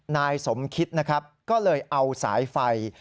นายสมคิดนะครับก็เลยเอาสายไฟ